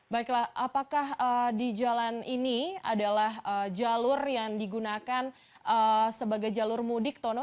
baiklah apakah di jalan ini adalah jalur yang digunakan sebagai jalur mudik tono